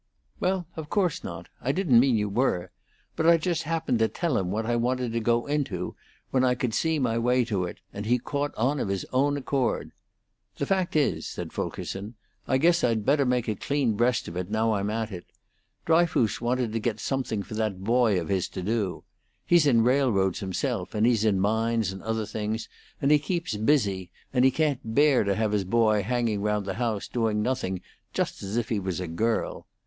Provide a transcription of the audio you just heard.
"Well, of course not! I didn't mean you were. But I just happened to tell him what I wanted to go into when I could see my way to it, and he caught on of his own accord. The fact is," said Fulkerson, "I guess I'd better make a clean breast of it, now I'm at it, Dryfoos wanted to get something for that boy of his to do. He's in railroads himself, and he's in mines and other things, and he keeps busy, and he can't bear to have his boy hanging round the house doing nothing, like as if he was a girl.